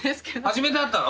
初めて会ったの？